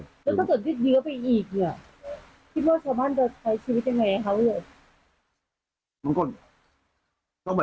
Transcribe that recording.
แล้วก็สดทิศเยอะไปอีกเนี่ยคิดว่าชาวบ้านจะใช้ชีวิตยังไงเขาเลย